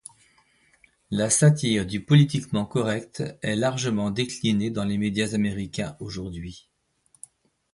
La satire du politiquement correct est largement déclinée dans les médias américains aujourd’hui.